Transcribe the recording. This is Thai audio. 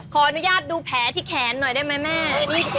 ขออนุญาตดูแผลที่แขนหน่อยได้ไหมแม่